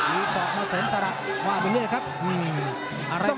มีศอกมาเสร็จสลับว่าเป็นเรื่องอะไรครับ